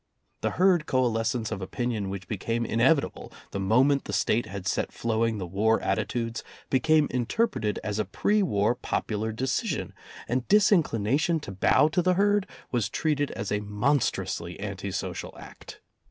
The herd coalescence of opinion which became inevit able the moment the State had set flowing the war attitudes became interpreted as a pre war popular decision, and disinclination to bow to the herd was treated as a monstrously anti social act.